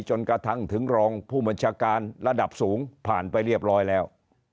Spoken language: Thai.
จนกระทั่งถึงรองผู้บัญชาการระดับสูงผ่านไปเรียบร้อยแล้ว